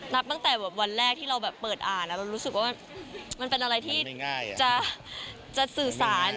นับตั้งแต่วันแรกที่เราแบบเปิดอ่านแล้วรู้สึกว่ามันเป็นอะไรที่จะสื่อสาร